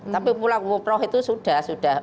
tapi pulang umroh itu sudah sudah